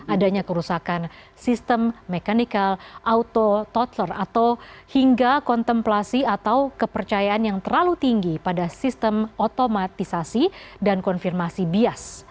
adanya kerusakan sistem mekanikal autotter atau hingga kontemplasi atau kepercayaan yang terlalu tinggi pada sistem otomatisasi dan konfirmasi bias